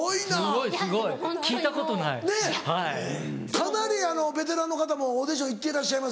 かなりベテランの方もオーディション行っていらっしゃいますよね。